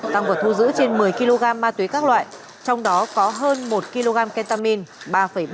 tăng vật thu giữ trên một mươi kg ma túy các loại trong đó có hơn một kg ketamine